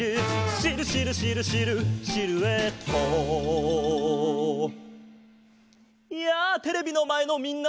「シルシルシルシルシルエット」やあテレビのまえのみんな！